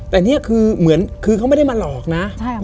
แต่นี่คือเหมือนคือเขาไม่ได้มาหลอกนะ